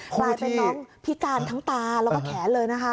กลายเป็นน้องพิการทั้งตาแล้วก็แขนเลยนะคะ